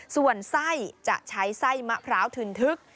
ส่วนไส้จะใช้ไส้มะพร้าวทึนทึก